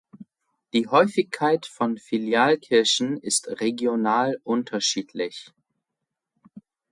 Die Häufigkeit von Filialkirchen ist regional unterschiedlich.